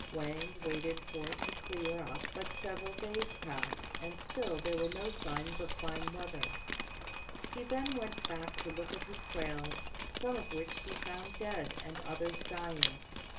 Wang waited for it to clear up, but several days passed and still there were no signs of fine weather. He then went to look at his quails, some of which he found dead and others dying.